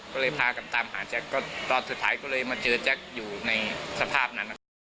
ก็เลยพากันตามหาแจ็คก็ตอนสุดท้ายก็เลยมาเจอแจ็คอยู่ในสภาพนั้นนะครับ